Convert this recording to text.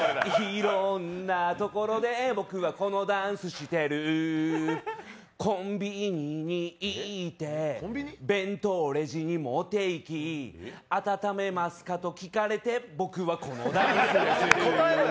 いろんなところで僕はこのダンスしてるコンビニに行って弁当、レジに持って行き温めますかと聞かれて僕はこのダンスをする。